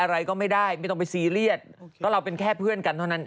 อะไรก็ไม่ได้ไม่ต้องไปซีเรียสก็เราเป็นแค่เพื่อนกันเท่านั้น